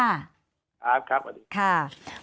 ครับค่ะสวัสดี